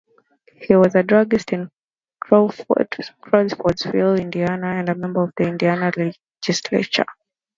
He was a druggist in Crawfordsville, Indiana, and a member of the Indiana Legislature.